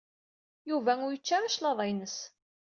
Yuba ur yečči ara cclaḍa-ines.